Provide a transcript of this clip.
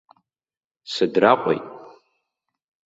Сыдраҟәеит!